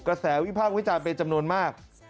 กระแสวิพากษ์วิจารณ์เป็นจำนวนมาก